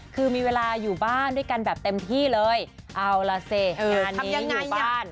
คือมีเวลาอยู่บ้านด้วยกันแบบเต็มที่เลยเอาล่ะสิงานทำยังไงญาติ